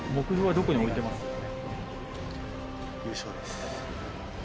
どこに置いてます？